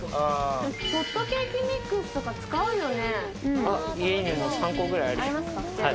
ホットケーキミックスとか使うよね？